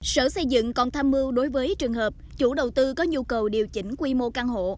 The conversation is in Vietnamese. sở xây dựng còn tham mưu đối với trường hợp chủ đầu tư có nhu cầu điều chỉnh quy mô căn hộ